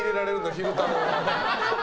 昼太郎は。